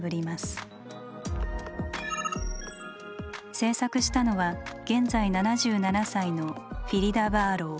制作したのは現在７７歳のフィリダ・バーロウ。